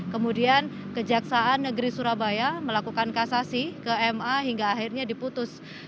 kemudian kejaksaan negeri surabaya melakukan kasasi ke ma hingga akhirnya diputus